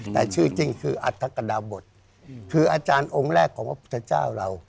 แต่ชื่อจริงคืออัธกดาบทคืออาจารย์องค์แรกของพระพุทธเจ้าเรา